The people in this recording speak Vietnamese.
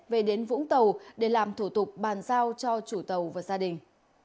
về đến vũng tàu để làm thủ tục bàn giao cho chủ tàu và gia đình